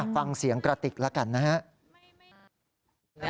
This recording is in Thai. ฟังเสียงกระติกแล้วกันนะครับ